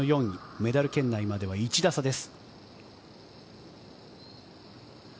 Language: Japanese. メダル圏内までは１打差です。